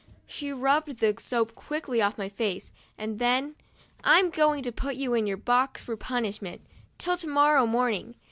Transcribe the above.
She rubbed the soap quickly off my face, and then, 'I'm going to put you in your box for punishment till to morrow morning.